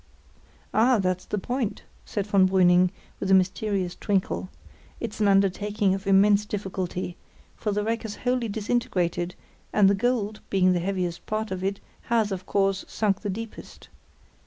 "Ah! that's the point," said von Brüning, with a mysterious twinkle. "It's an undertaking of immense difficulty; for the wreck is wholly disintegrated, and the gold, being the heaviest part of it, has, of course, sunk the deepest.